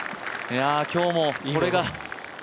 今日もこれで。